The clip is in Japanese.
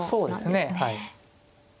そうですね。